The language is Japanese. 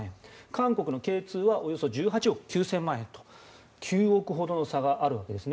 韓国のＫ２はおよそ１８億９０００万円と９億ほどの差があるわけです。